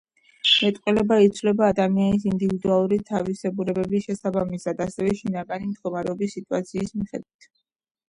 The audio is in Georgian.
მეტყველება იცვლება ადამიანის ინდივიდუალური თავისებურებების შესაბამისად, ასევე შინაგანი მდგომარეობისა და სიტუაციის მიხედვით.